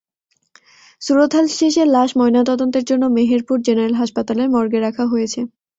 সুরতহাল শেষে লাশ ময়নাতদন্তের জন্য মেহেরপুর জেনারেল হাসপাতালের মর্গে রাখা হয়েছে।